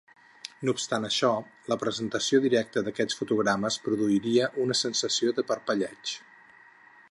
No obstant això, la presentació directa d'aquests fotogrames produiria una sensació de parpelleig.